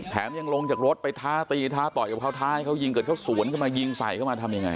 ยังลงจากรถไปท้าตีท้าต่อยกับเขาท้าให้เขายิงเกิดเขาสวนเข้ามายิงใส่เข้ามาทำยังไง